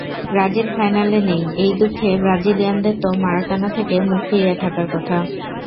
Brazil ফাইনালে নেই—এই দুঃখে ব্রাজিলিয়ানদের তো মারাকানা থেকে মুখ ফিরিয়ে থাকার কথা।